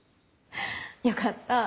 よかった。